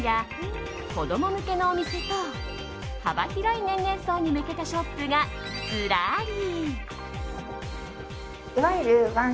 人気の雑貨店や子供向けのお店と幅広い年齢層に向けたショップがずらり。